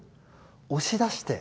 押し出して。